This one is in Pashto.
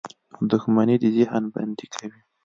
• دښمني د ذهن بندي کوي.